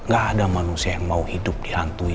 gak ada manusia yang mau hidup dihantui